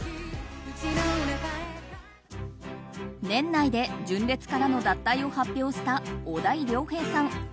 年内で純烈からの脱退を発表した小田井涼平さん。